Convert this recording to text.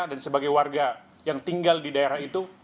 dan sebagai warga yang tinggal di daerah itu